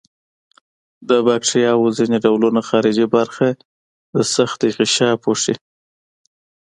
د باکتریاوو ځینې ډولونه خارجي برخه د سختې غشا پوښي.